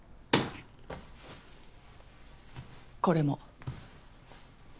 これも。